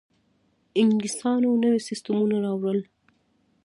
انګلیسانو نوي سیستمونه راوړل.